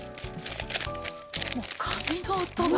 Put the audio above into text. もう紙の音が。